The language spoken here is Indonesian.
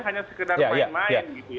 hanya sekedar main main